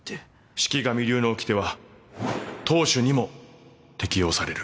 四鬼神流のおきては当主にも適用される